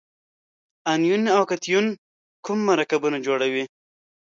انیون او کتیون کوم مرکبونه جوړوي؟